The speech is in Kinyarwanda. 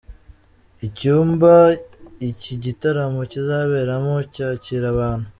Icyumba iki gitaramo kizaberamo cyakira abantu.